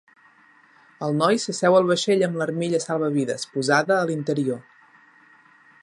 El noi s'asseu al vaixell amb l'armilla salvavides posada a l'interior.